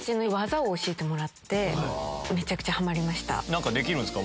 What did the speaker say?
何かできるんですか？